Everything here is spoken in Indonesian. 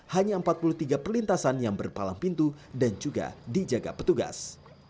hanya empat puluh tiga perlintasan yang berpalang pintu dan juga dijaga petugas